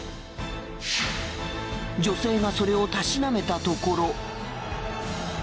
女性がそれをたしなめたところ。